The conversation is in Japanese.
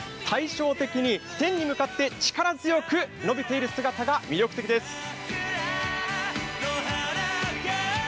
対称的に天に向かって力強く延びている姿が魅力的です。